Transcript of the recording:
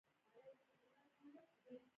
هغو نه مو تپوس ونکړو خو ځانله مې فکر کوو